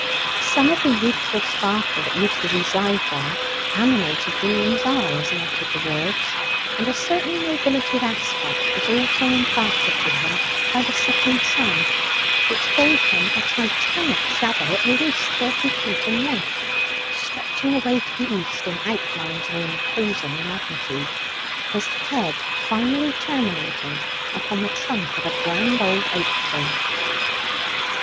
Some of the youthful sparkle that used to reside there animated William's eye as he uttered the words, and a certain nobility of aspect was also imparted to him by the setting sun, which gave him a Titanic shadow at least thirty feet in length, stretching away to the east in outlines of imposing magnitude, his head finally terminating upon the trunk of a grand old oak tree.